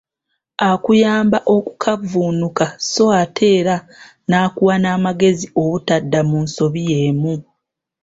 Akuyamba okukavvuunuka so ate era nakuwa n'amagezi obutadda mu nsobi yeemu.